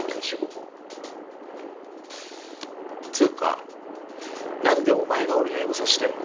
ちっつうか何でお前が俺のエゴサしてんの。